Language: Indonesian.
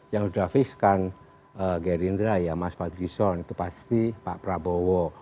yang sudah fish kan gerindra ya mas fadlizon itu pasti pak prabowo